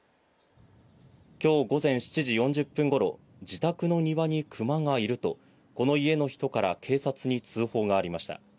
きょう午前７時４０分ごろ、自宅の庭にクマがいると、この家の人から警察に通報がありました。